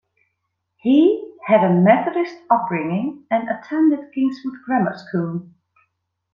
He had a Methodist upbringing and attended Kingswood Grammar School.